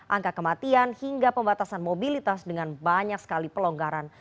angka kematian hingga pembatasan mobilitas dengan banyak sekali pelonggaran